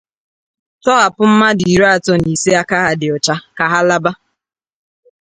tọhapụ mmadụ iri atọ na ise aka ha dị ọcha ka ha laba